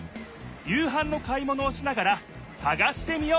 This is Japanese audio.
夕はんの買い物をしながらさがしてみよう！